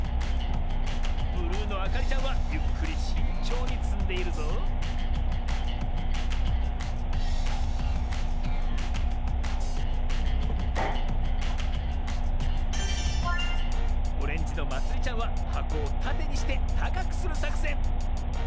ブルーのあかりちゃんはゆっくりしんちょうにつんでいるぞオレンジのまつりちゃんははこをたてにしてたかくするさくせん。